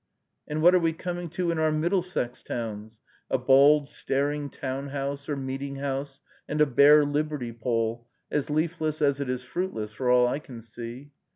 And what are we coming to in our Middlesex towns? A bald, staring town house, or meeting house, and a bare liberty pole, as leafless as it is fruitless, for all I can see.